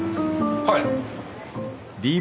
はい。